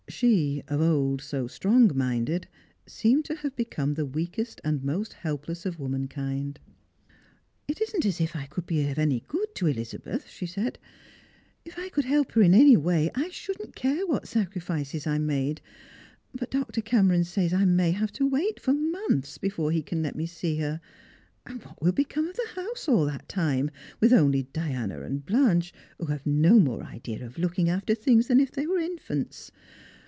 She, of old so strong minded, seemed to have become the weakest and most helpless of womankind. " It isn't as if I could be any good to Elizabeth," she said. " If I could hrfp her in any way I shouldn't care what sacri fices I made. But Dr. Cameron says I may have to wait for months before he can let me see her, and what will become of the liouse all that time, with only Diana and Blanche, who have no more idea of looking after things than if they were infants?